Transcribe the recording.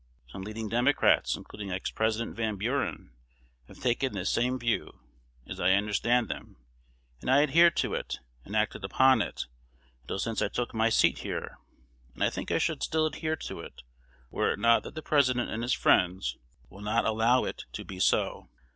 Some leading Democrats, including ex President Van Buren, have taken this same view, as I understand them; and I adhered to it, and acted upon it, until since I took my seat here; and I think I should still adhere to it, were it not that the President and his friends will not allow it to be so.